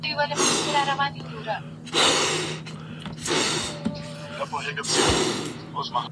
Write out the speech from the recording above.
زه اوږده وخت د سبا لپاره د نوي لغتونو يادوم!؟